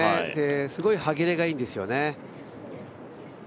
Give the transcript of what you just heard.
すごい、はぎれがいいんですよね。